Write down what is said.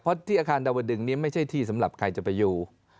เพราะที่อาคารดาวดึงนี้ไม่ใช่ที่สำหรับใครจะไปอยู่